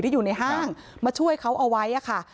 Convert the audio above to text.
อยู่ในห้างมาช่วยเขาเอาไว้ค่ะ